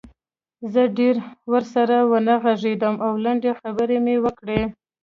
زه ډېر ورسره ونه غږېدم او لنډې خبرې مې وکړې